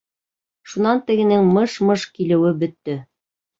Шунан тегенең мыш-мыш килеүе бөттө.